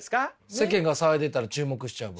世間が騒いでたら注目しちゃう僕。